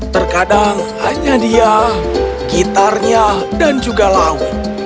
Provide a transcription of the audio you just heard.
terkadang hanya dia gitarnya dan juga laut